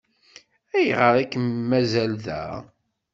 Ayɣer ay kem-mazal da?